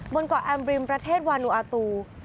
บนก่อแอมบิลล์ประเทศวาลูอาตู